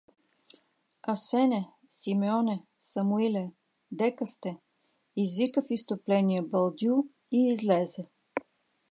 — Асене! Симеоне! Самуиле! Дека сте? — извика в изступление Балдю и излезе.